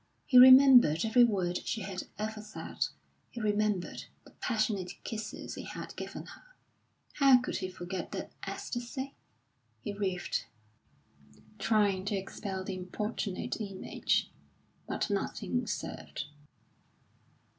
He remembered every word she had ever said; he remembered the passionate kisses he had given her. How could he forget that ecstasy? He writhed, trying to expel the importunate image; but nothing served.